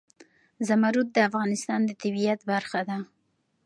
زمرد د افغانستان د طبیعت برخه ده.